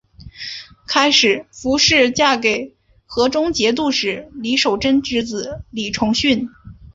开始符氏嫁给河中节度使李守贞之子李崇训。